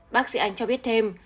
bác sĩ ánh cho biết thêm